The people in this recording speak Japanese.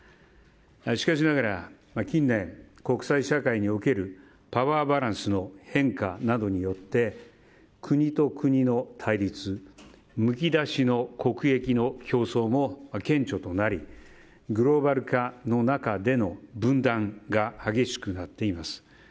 しかしながら、近年国際社会におけるパワーバランスの変化などによって国と国の対立むき出しの国益の競争も顕著となりグローバル化の中での分断が激しくなっています。